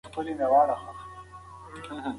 لوستې نجونې د ټولنې د باور ارزښت پالي.